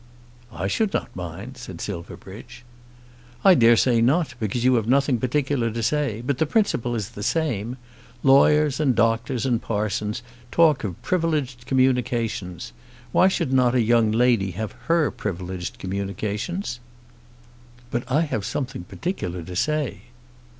"I should not mind," said Silverbridge. "I dare say not, because you have nothing particular to say. But the principle is the same. Lawyers and doctors and parsons talk of privileged communications. Why should not a young lady have her privileged communications?" "But I have something particular to say."